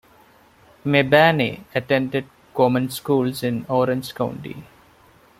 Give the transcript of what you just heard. Mebane attended common schools in Orange County.